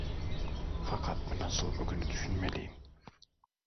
Fakat ben asıl bugünü düşünmeliyim.